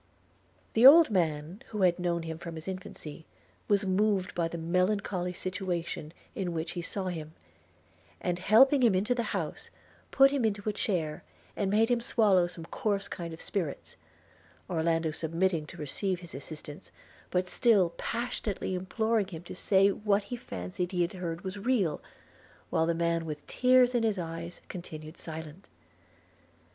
The old man, who had known him from his infancy, was moved by the melancholy situation in which he saw him; and, helping him into the house, put him into a chair, and made him swallow some coarse kind of spirits – Orlando submitting to receive his assistance, but still passionately imploring him to say if what he fancied he had heard was real, while the man with tears in his eyes continued silent.